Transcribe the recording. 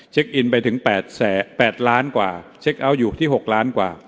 อินไปถึง๘ล้านกว่าเช็คเอาท์อยู่ที่๖ล้านกว่า